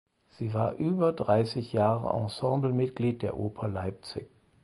Sie war über dreißig Jahre Ensemblemitglied der Oper Leipzig.